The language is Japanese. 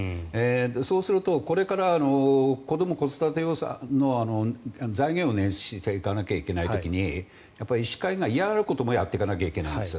そうするとこれから子ども子育て予算の財源を捻出していかないといけない時に医師会が嫌がることもやっていかないといけないんです。